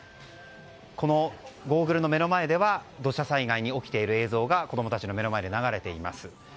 このゴーグルでは土砂災害が起きている映像が子供たちの目の前で起きています。